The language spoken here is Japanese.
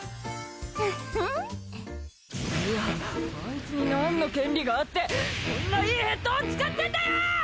うふんいやあいつに何の権利があってこんないいヘッドフォン使ってんだよ！